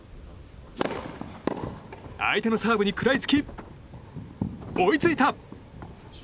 相手のサーブに食らいつき追いついた！